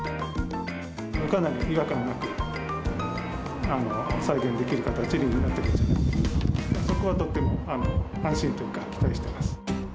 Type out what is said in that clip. かなり違和感なく再現できる形になっているので、そこはとっても安心というか、期待してます。